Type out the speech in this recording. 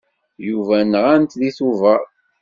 Yuba nɣan-t deg Tubeṛ.